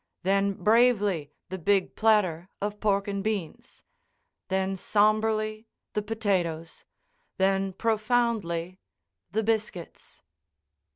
Then bravely the big platter of pork and beans. Then somberly the potatoes. Then profoundly the biscuits.